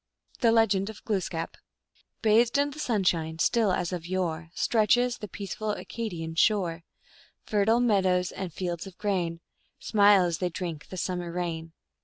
1 THE LEGEND OF GLOOSKAP. Bathed in the sunshine still as of yore Stretches the peaceful Acadian shore ; Fertile meadows and fields of grain Smile as they drink the summer rain.